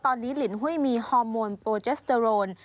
ตอนนี้ลินหุ้ยมีฮอร์โมนโปรเจสเตอโรน